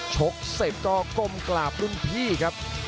ชกเสร็จก็ก้มกราบรุ่นพี่ครับ